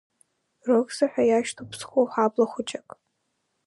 Рыӷза ҳәа иашьҭоуп Ԥсҳәы ҳабла хәыҷык.